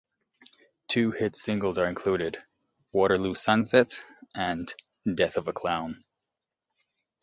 Two hit singles are included: "Waterloo Sunset" and "Death of a Clown".